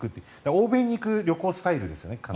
欧米に行く旅行スタイルですよね。